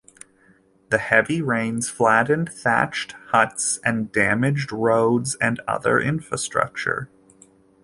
The heavy rains flattened thatched huts and damaged roads and other infrastructure.